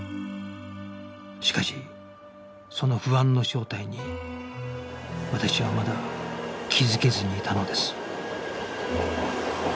しかしその不安の正体に私はまだ気づけずにいたのです